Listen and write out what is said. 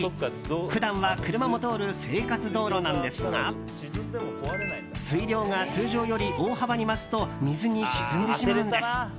普段は車も通る生活道路なんですが水量が通常より大幅に増すと水に沈んでしまうんです。